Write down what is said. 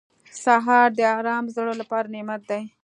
سهار د ارام زړه لپاره نعمت دی.